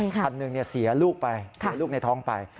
คันหนึ่งเสียลูกในท้องไป